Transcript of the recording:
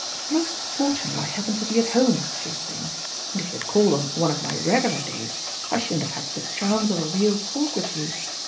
"Most fortunate I happened to be at home," she was saying. "And if you had called on one of my regular days, I shouldn't have had the chance of a real talk with you.